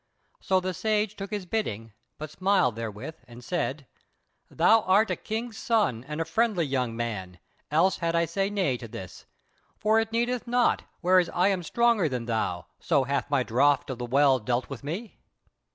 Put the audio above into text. So the Sage took his bidding, but smiled therewith, and said: "Thou art a King's son and a friendly young man, else had I said nay to this; for it needeth not, whereas I am stronger than thou, so hath my draught of the Well dealt with me."